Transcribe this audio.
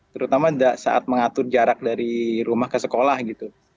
terutama saat mengatur jarak dari rumah ke sekolah gitu